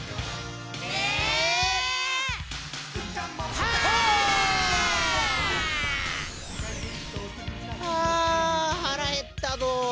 はあ腹減ったぞ！